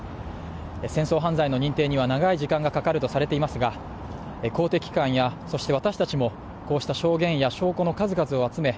戦争犯罪の認定には長い時間がかかるとされていますが公的機関や、そして私たちもこうした証言や証拠の数々を集め、